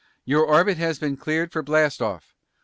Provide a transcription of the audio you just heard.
"Your orbit has been cleared for blast off.